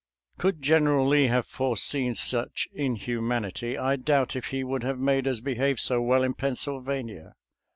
Could General Lee have foreseen such inhumanity, I doubt if he would have made us behave so well in Pennsyl vania.